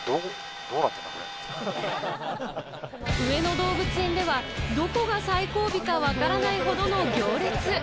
上野動物園ではどこが最後尾かわからないほどの行列。